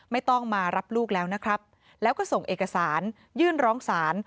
ไม่ต้องมารับลูกแล้วนะครับแล้วก็ส่งเอกสารยื่นร้องศาล